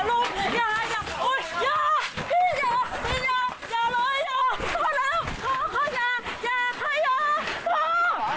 พอแล้วพอพออย่าอย่าพออย่าพอ